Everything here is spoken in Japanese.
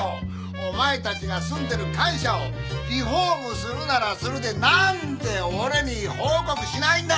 お前たちが住んでる官舎をリフォームするならするでなんで俺に報告しないんだ！